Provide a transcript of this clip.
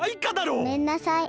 ごめんなさい。